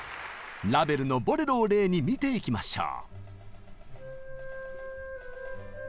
ラヴェルの「ボレロ」を例に見ていきましょう。